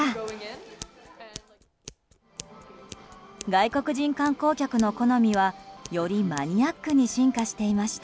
外国人観光客の好みはよりマニアックに進化していました。